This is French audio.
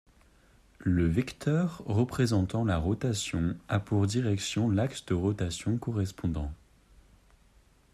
Le vecteur représentant la rotation a pour direction l'axe de rotation correspondant.